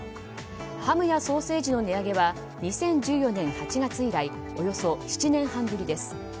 ハムやソーセージの値上げは２０１４年８月以来およそ７年半ぶりです。